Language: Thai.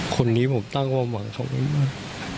คนนี้ผมตั้งความหวังเขาไม่มาก